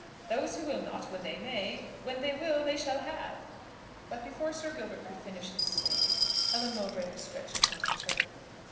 Those who will not when they may, when they will they shall have " But before Sir Gilbert could finish his stave, Helen Mowbray was stretched upon the turf.